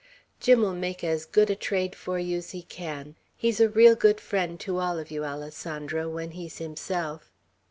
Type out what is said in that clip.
Jim'll make as good a trade for you's he can. He's a real good friend to all of you, Alessandro, when he's himself."